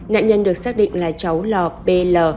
nạn nhân được xác định là cháu lò b l